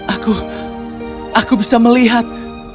aku aku bisa melihat